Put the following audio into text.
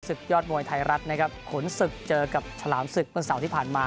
ยอดมวยไทยรัฐนะครับขุนศึกเจอกับฉลามศึกเมื่อเสาร์ที่ผ่านมา